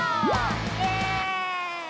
イエーイ！